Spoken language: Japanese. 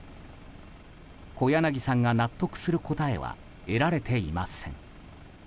小柳さんが納得する答えは得られていません。